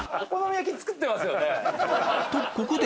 とここで